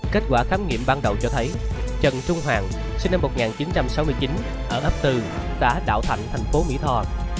kết quả khám nghiệm ban đầu cho thấy trần trung hoàng sinh năm một nghìn chín trăm sáu mươi chín ở ấp tư đã đạo thành thành phố mỹ tho